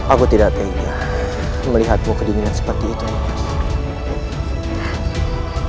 aku tidak teringat melihatmu kedinginan seperti itu nimas